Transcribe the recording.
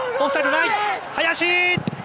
林！